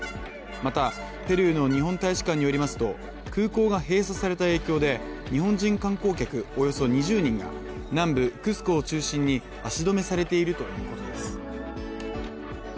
また、ペルーの日本大使館によりますと空港が閉鎖された影響で日本人観光客およそ２０人が南部クスコを中心に足止めされているということです。